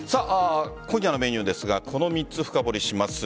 今夜のメニューですがこの３つ深掘りします。